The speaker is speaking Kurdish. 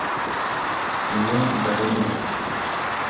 Wê biriye.